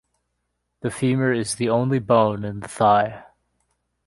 The femur is the only bone in the thigh.